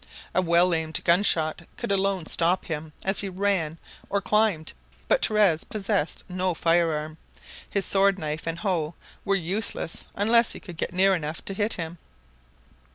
A well aimed gunshot could alone stop him as he ran or climbed, but Torres possessed no firearm. His sword knife and hoe were useless unless he could get near enough to hit him.